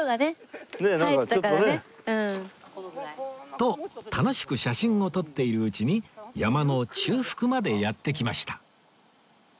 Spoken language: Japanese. と楽しく写真を撮っているうちに山の中腹までやって来ました